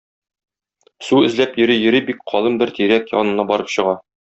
Су эзләп йөри-йөри бик калын бер тирәк янына барып чыга.